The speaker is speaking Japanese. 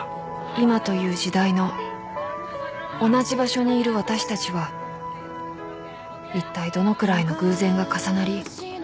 ［今という時代の同じ場所にいる私たちはいったいどのくらいの偶然が重なり